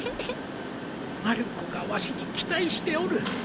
まる子がわしに期待しておる